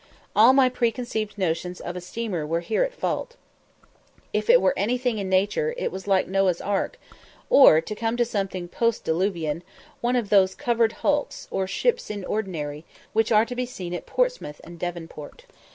All my preconceived notions of a steamer were here at fault. If it were like anything in nature, it was like Noah's ark, or, to come to something post diluvian, one of those covered hulks, or "ships in ordinary," which are to be seen at Portsmouth and Devonport.